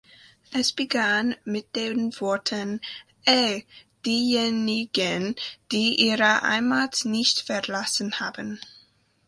Es begann mit den Worten "Hey, diejenigen, die ihre Heimat nicht verlassen haben".